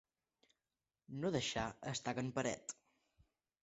No deixar estaca en paret.